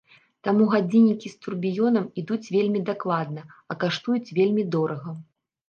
Таму гадзіннікі з турбіёнам ідуць вельмі дакладна, а каштуюць вельмі дорага.